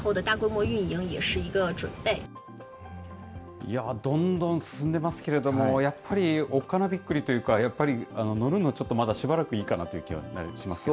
いやー、どんどん進んでいますけれども、やっぱりおっかなびっくりというか、やっぱり乗るの、ちょっとまだ、しばらくいいかなという気が、だいぶしますけど。